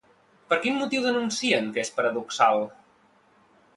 Per quin motiu denuncien que és paradoxal?